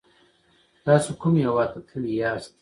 تاسو کوم هیواد ته تللی یاست؟